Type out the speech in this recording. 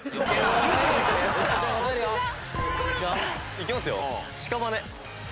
いきますよ。